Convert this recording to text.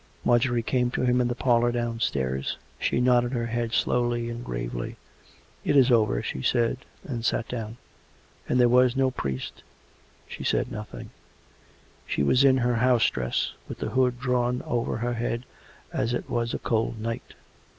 Marjorie came to him in the parlour downstairs. She nodded her head slowly and gravely. " It is over," she said; and sat down. " And there was no priest ?"' She said nothing. She was in her house dress, with the hood drawn over her head as it was a cold night.